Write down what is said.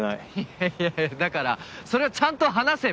いやいやだからそれはちゃんと話せば。